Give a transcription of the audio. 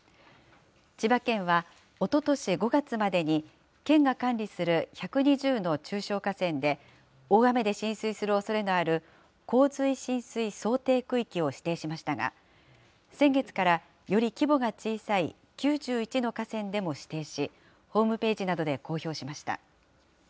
千葉県は、おととし５月までに県が管理する１２０の中小河川で、大雨で浸水するおそれのある洪水浸水想定区域を指定しましたが、先月からより規模が小さい９１の河川でも指定し、ホームページなどで公表しました。